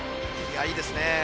いいですね。